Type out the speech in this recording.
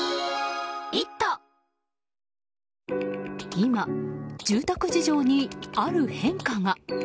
今、住宅事情にある変化が。